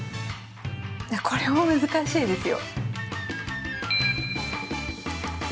これも難しいですよ。